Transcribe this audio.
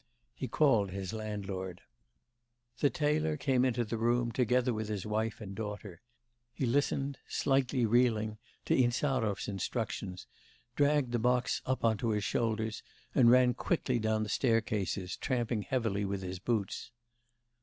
He called his landlord. The tailor came into the room, together with his wife and daughter. He listened, slightly reeling, to Insarov's instructions, dragged the box up on to his shoulders, and ran quickly down the staircases, tramping heavily with his boots.